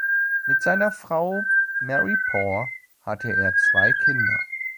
Mit seiner Frau Mary Poore hatte er zwei Kinder.